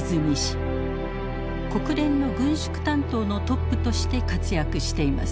国連の軍縮担当のトップとして活躍しています。